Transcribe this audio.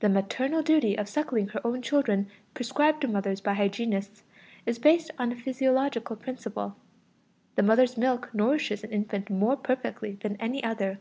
The maternal duty of suckling her own children prescribed to mothers by hygienists is based on a physiological principle: the mother's milk nourishes an infant more perfectly than any other.